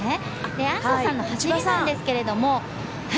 安藤さんの走りなんですけども。